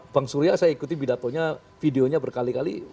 bang surya saya ikuti bidatonya videonya berkali kali